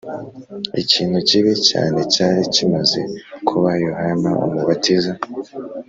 ikintu kibi cyane cyari kimaze kuba Yohana Umubatiza